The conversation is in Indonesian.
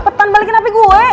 cepetan balikin hp gue